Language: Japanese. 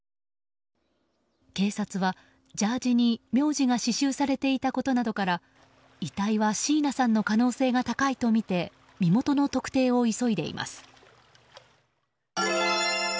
警察はジャージーに名字が刺しゅうされていたことなどから遺体は椎名さんの可能性が高いとみて身元の特定を急いでいます。